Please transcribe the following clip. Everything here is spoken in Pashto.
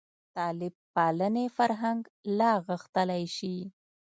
طالب پالنې فرهنګ لا غښتلی شي.